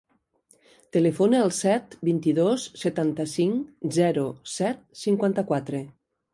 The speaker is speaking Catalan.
Telefona al set, vint-i-dos, setanta-cinc, zero, set, cinquanta-quatre.